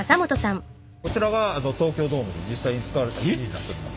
コチラが東京ドームに実際に使われた生地になっております。